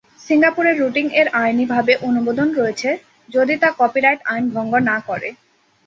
সিঙ্গাপুরে রুটিং-এর আইনি ভাবে অনুমোদন রয়েছে যদি তা কপি রাইট আইন ভঙ্গ না করে।